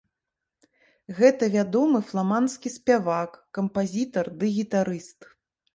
Гэта вядомы фламандскі спявак, кампазітар ды гітарыст.